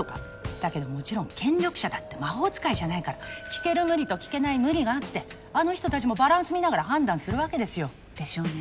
だけどもちろん権力者だって魔法使いじゃないから聞ける無理と聞けない無理があってあの人たちもバランス見ながら判断するわけですよ。でしょうね。